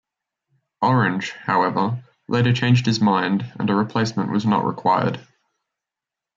Orange, however, later changed his mind and a replacement was not required.